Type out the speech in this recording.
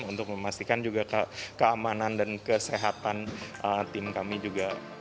untuk memastikan juga keamanan dan kesehatan tim kami juga